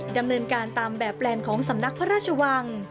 ดำเนินการตามแบบแปลนของสำนักพระราชวัง